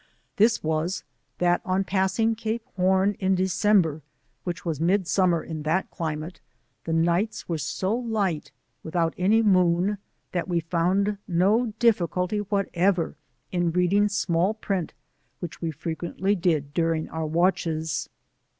This was, that oa passing Cape Horn in December, which was mid* summer in that climate, the nights were so light, without any moon, that we found no difficulty whatever in reading small print which we fre quently did during our watches.